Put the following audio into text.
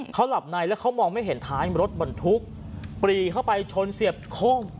เขาหลับในแล้วเขามองไม่เห็นท้ายรถบรรทุกปรีเข้าไปชนเสียบโค้ง